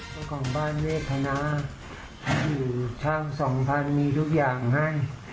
คนของบ้านเวทนาอยู่ช่าง๒๐๐๐บาทมีทุกอย่างให้